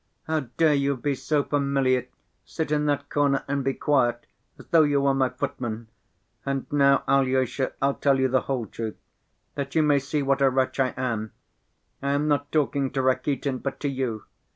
How dare you be so familiar! Sit in that corner and be quiet, as though you were my footman! And now, Alyosha, I'll tell you the whole truth, that you may see what a wretch I am! I am not talking to Rakitin, but to you.